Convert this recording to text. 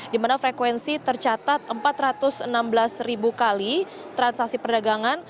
di mana frekuensi tercatat empat ratus enam belas ribu kali transaksi perdagangan